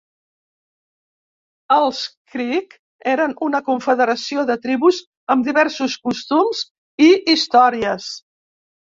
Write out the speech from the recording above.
Els creek eren una confederació de tribus amb diversos costums i històries.